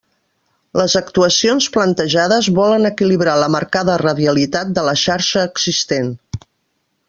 Les actuacions plantejades volen equilibrar la marcada radialitat de la xarxa existent.